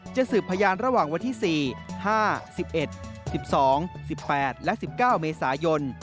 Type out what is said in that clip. สืบพยานระหว่างวันที่๔๕๑๑๑๒๑๘และ๑๙เมษายน